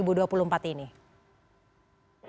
jadi sekali lagi capaian ini juga sedang menghadapi